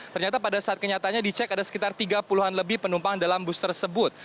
ternyata pada saat kenyataannya dicek ada sekitar tiga puluh an lebih penumpang dalam bus tersebut